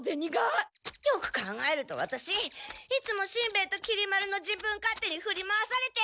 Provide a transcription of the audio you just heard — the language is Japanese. よく考えるとワタシいつもしんべヱときり丸の自分勝手にふり回されて。